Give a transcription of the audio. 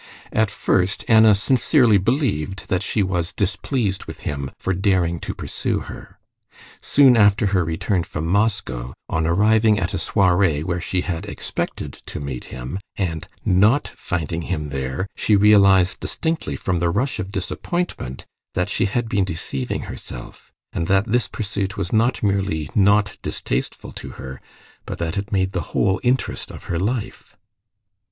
At first Anna sincerely believed that she was displeased with him for daring to pursue her. Soon after her return from Moscow, on arriving at a soirée where she had expected to meet him, and not finding him there, she realized distinctly from the rush of disappointment that she had been deceiving herself, and that this pursuit was not merely not distasteful to her, but that it made the whole interest of her life.